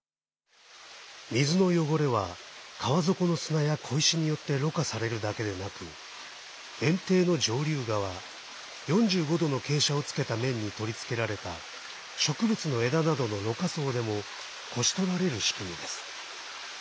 水の汚れは川底の砂や小石によってろ過されるだけでなくえん堤の上流側４５度の傾斜をつけた面に取り付けられた植物の枝などの、ろ過層でもこし取られる仕組みです。